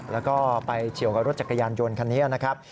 แล้วก็ไปเฉียวกับรถจักรยานยนต์คันนี้นะครับ